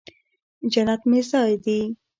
جنت مې ځای دې